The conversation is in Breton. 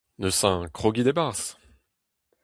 Neuze, krogit e-barzh !